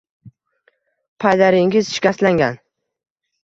Paylaringiz shikastlangan.